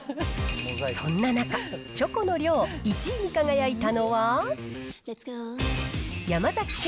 そんな中、チョコの量１位に輝いたのは。